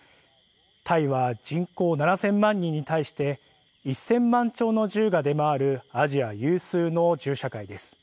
タイは人口７０００万人に対して１０００万丁の銃が出回るアジア有数の銃社会です。